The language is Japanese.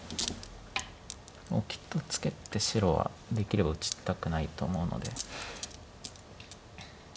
きっとツケって白はできれば打ちたくないと思うので。